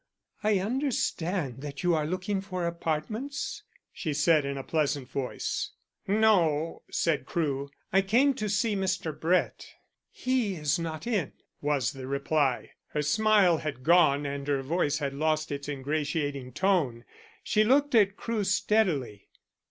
"I understand that you are looking for apartments?" she said in a pleasant voice. "No," said Crewe. "I came to see Mr. Brett." "He is not in," was the reply. Her smile had gone and her voice had lost its ingratiating tone. She looked at Crewe steadily.